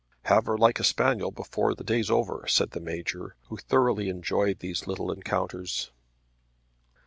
"Have her like a spaniel before the day's over," said the Major, who thoroughly enjoyed these little encounters.